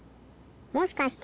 もしかして。